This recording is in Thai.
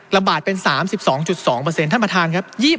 ระบาดเป็น๓๒๒ท่านประธานครับ